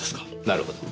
なるほど。